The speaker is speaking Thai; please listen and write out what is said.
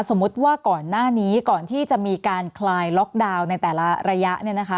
สมมุติว่าก่อนหน้านี้ก่อนที่จะมีการคลายล็อกดาวน์ในแต่ละระยะ